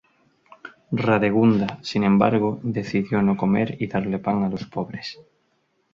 Radegunda, sin embargo, decidió no comer y darle pan a los pobres.